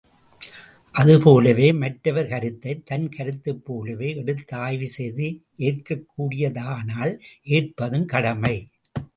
அது போலவே மற்றவர் கருத்தைத் தன் கருத்துப்போலவே எடுத்தாய்வு செய்து ஏற்கக் கூடியதானால் ஏற்பதும் கடமை.